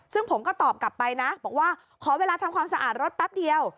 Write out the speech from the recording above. ซึ่งผมก็ตอบกลับไปนะบอกว่าขอเวลาทำความสะอาดรถแป๊บเดียว